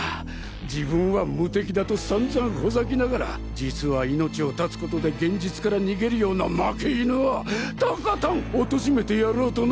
自分は無敵だと散々ほざきながら実は命を絶つことで現実から逃げるような負け犬をとことんおとしめてやろうとな！